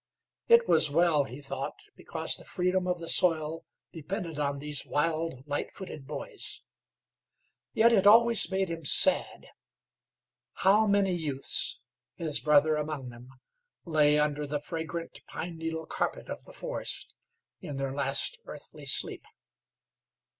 It was well, he thought, because the freedom of the soil depended on these wild, light footed boys; yet it always made him sad. How many youths, his brother among them, lay under the fragrant pine needle carpet of the forest, in their last earthly sleep!